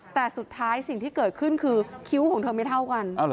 แต่สุดท้ายสิ่งที่เกิดขึ้นคือคิ้วของเธอไม่เท่ากัน